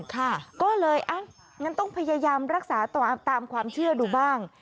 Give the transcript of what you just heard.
ก็เลยอ่ะงั้นต้องพยายามรักษาตามความเชื่อดูบ้าง